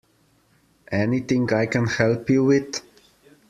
Anything I can help you with?